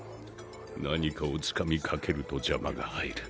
何かをつかみかけると邪魔が入る。